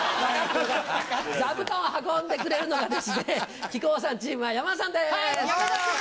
座布団を運んでくれるのが、木久扇さんチームは山田さんです。